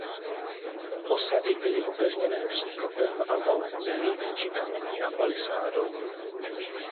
Osady byly opevněné příkopem a valem z hlíny či kamení a palisádou.